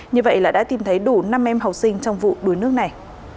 như vậy là đã tìm thấy đủ năm em học sinh trong vụ đuối nước này